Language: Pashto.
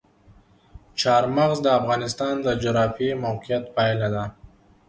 چار مغز د افغانستان د جغرافیایي موقیعت پایله ده.